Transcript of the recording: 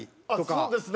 そうですね。